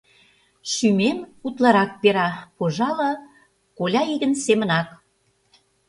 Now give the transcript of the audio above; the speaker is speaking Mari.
Шӱмем утларак пера, пожале, коля игын семынак.